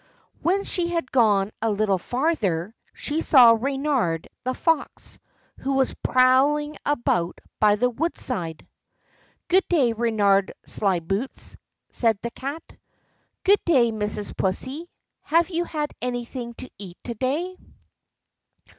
When she had gone a little farther, she saw Reynard the fox, who was prowling about by the woodside. "Good day, Reynard Slyboots," said the Cat. "Good day, Mrs. Pussy; have you had anything to eat to day?"